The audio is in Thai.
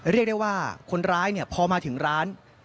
เรียกได้ว่าคนร้ายพอมาถึงร้าน